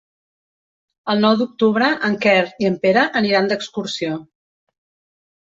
El nou d'octubre en Quer i en Pere aniran d'excursió.